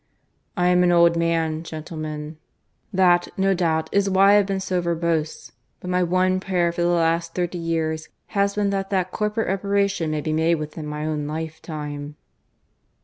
I am an old man, gentlemen. That, no doubt, is why I have been so verbose, but my one prayer for the last thirty years has been that that corporate reparation may be made within my own lifetime.